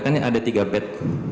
kan ada tiga bed